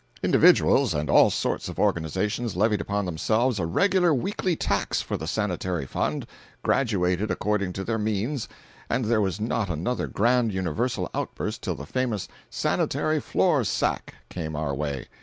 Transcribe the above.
Individuals and all sorts of organizations levied upon themselves a regular weekly tax for the sanitary fund, graduated according to their means, and there was not another grand universal outburst till the famous "Sanitary Flour Sack" came our way.